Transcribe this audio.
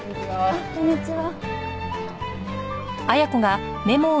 あっこんにちは。